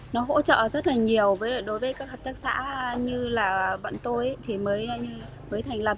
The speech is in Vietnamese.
nó hỗ trợ rất nhiều đối với các hợp tác xã như bạn tôi mới thành lập